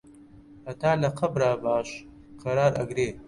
هەتا لە قەبرا باش قەرار ئەگرێ